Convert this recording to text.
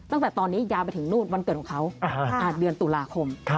ตั้งแต่ตอนนี้ยาวไปถึงนู่นวันเกิดของเขาเดือนตุลาคม